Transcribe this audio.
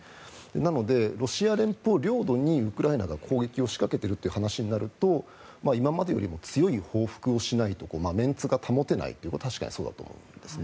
なので、ロシア連邦領土にウクライナが攻撃を仕掛けているという話になると今までよりも強い報復をしないとメンツが保てないというのは確かにそうだと思うんです。